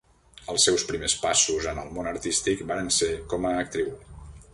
Els seus primers passos en el món artístic varen ser com a actriu.